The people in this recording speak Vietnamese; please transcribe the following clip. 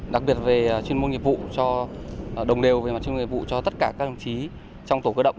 đặc biệt về chuyên môn nghiệp vụ đồng đều về mặt chuyên môn nghiệp vụ cho tất cả các đồng chí trong tổ cơ động